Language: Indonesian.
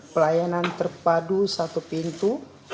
pelayanan terpadu satu pintu